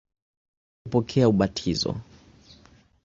Gerezani walipokea ubatizo.